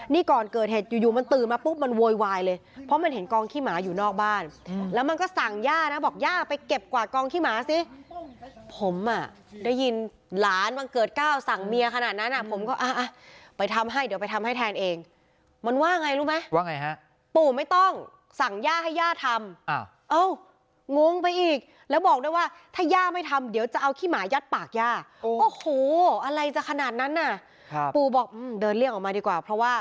นี่ก่อนเกิดเหตุอยู่มันตื่นมาปุ๊บมันโวยวายเลยเพราะมันเห็นกองขี้หมาอยู่นอกบ้านแล้วมันก็สั่งย่านะบอกย่าไปเก็บกว่ากองขี้หมาสิผมอ่ะได้ยินหลานวังเกิดเก้าสั่งเมียขนาดนั้นอ่ะผมก็ไปทำให้เดี๋ยวไปทำให้แทนเองมันว่าไงรู้ไหมว่าไงฮะปู่ไม่ต้องสั่งย่าให้ย่าทำเอ้างงไปอีกแล้วบอกได้ว่าถ้าย่าไม่ทำ